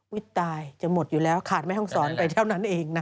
ตายจะหมดอยู่แล้วขาดแม่ห้องศรไปเท่านั้นเองนะ